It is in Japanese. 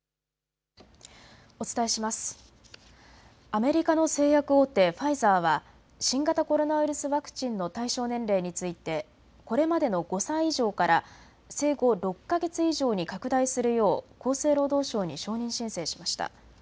アメリカの製薬大手、ファイザーは新型コロナウイルスワクチンの対象年齢についてこれまでの５歳以上から生後６か月以上に拡大するよう厚生労働省に承認申請しました。